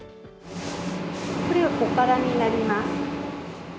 これはおからになります。